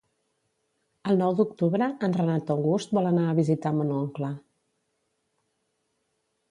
El nou d'octubre en Renat August vol anar a visitar mon oncle.